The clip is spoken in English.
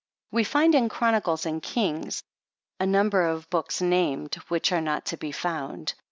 We find in Chronicles and Kings a number of books IV PREFACE. named, which are not to be found.